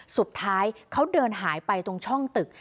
สุดท้ายเขาเดินหายไปตรงช่องตึก